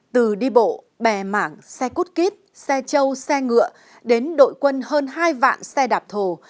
từ đi bộ bè mảng xe cút kít xe châu xe ngựa đến đội quân hơn hai vạn xe đạp thổ